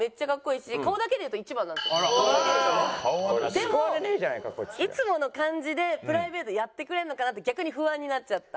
でもいつもの感じでプライベートやってくれるのかなって逆に不安になっちゃった。